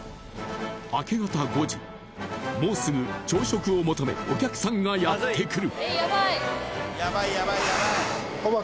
明け方５時、もうすぐ朝食を求めお客さんがやってくる。